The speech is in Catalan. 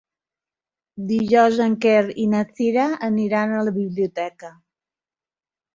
Dijous en Quer i na Cira aniran a la biblioteca.